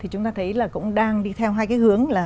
chúng ta thấy cũng đang đi theo hai hướng